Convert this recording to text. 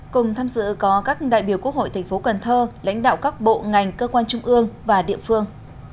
cùng tham dự có các đại biểu quốc hội thành phố cần thơ lãnh đạo các bộ ngành cơ quan trung ương và địa phương